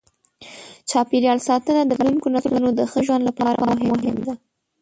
چاپېریال ساتنه د راتلونکو نسلونو د ښه ژوند لپاره مهمه ده.